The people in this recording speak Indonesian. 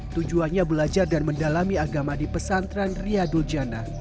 tujuannya belajar dan mendalami agama di pesantren ria duljana